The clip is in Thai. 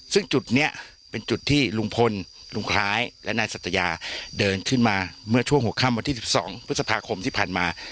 ซึ่งจุดนี้เป็นจุดที่ลุงพลลุงคล้ายและนายสัตยาเดินขึ้นมาเมื่อช่วงหัวค่ำวันที่๑๒พฤษภาคมที่ผ่านมา